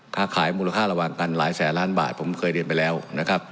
ค้าขายมูลค่าระหว่างกันหลายแสนล้านบาทผมเคยเรียนไปแล้วนะครับ